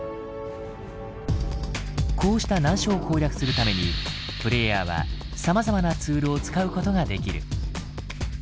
こうした難所を攻略するためにプレイヤーはさまざまなツールを使うことができる。